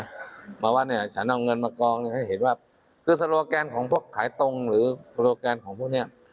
เพราะว่าเนี่ยฉันเอาเงินมากองให้เห็นว่าคือโซโลแกนของพวกขายตรงหรือโลแกนของพวกเนี้ย